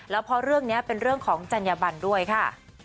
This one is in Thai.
แล้วเพราะเรื่องนี้เป็นเรื่องของจัญญบันด้วยค่ะ